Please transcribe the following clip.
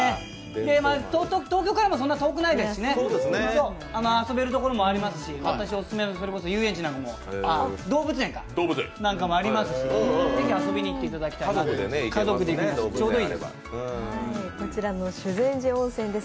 東京からもそんなに遠くないですし、遊べるところもありますし、私オススメの動物園なんかもありますし、ぜひ遊びに行っていただきたいなと、家族で行くのにちょうどいいです。